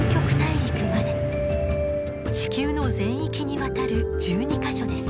地球の全域にわたる１２か所です。